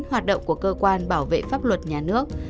hoạt động của cơ quan bảo vệ pháp luật nhà nước